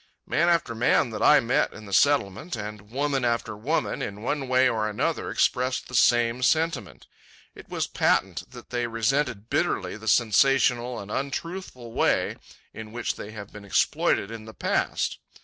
Man after man that I met in the Settlement, and woman after woman, in one way or another expressed the same sentiment. It was patent that they resented bitterly the sensational and untruthful way in which they have been exploited in the past.